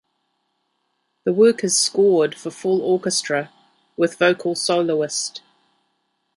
The work is scored for full orchestra, with vocal soloist.